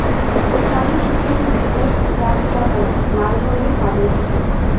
তাঁহার সুঠাম মাথায় পীতাভ বা লালরঙের পাগড়ি থাকে।